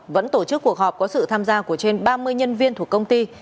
vẫn tổ chức cuộc họp có sự tham gia của trên ba mươi nhân viên thuộc công ty